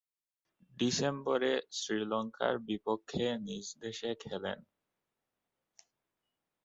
ডিসেম্বরে শ্রীলঙ্কার বিপক্ষে নিজদেশে খেলেন।